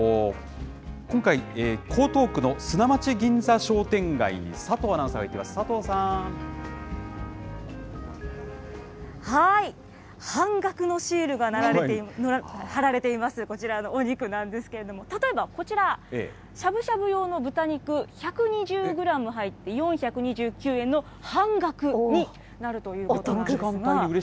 今回、江東区の砂町銀座商店街に佐藤アナウンサーが行っています、半額のシールが貼られています、こちらのお肉なんですけれども、例えばこちら、しゃぶしゃぶ用の豚肉、１２０グラム入って４２９円の半額になるということなんですが。